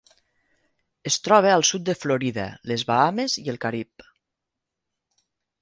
Es troba al sud de Florida, les Bahames i el Carib.